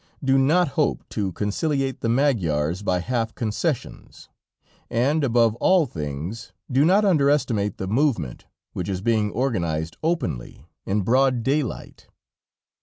Do not hope to conciliate the Magyars by half concessions, and, above all things, do not underestimate the movement, which is being organized openly, in broad daylight."